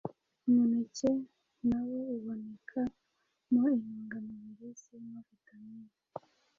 Umuneke nawo uboneka mo intungamubiri zirimo vitamin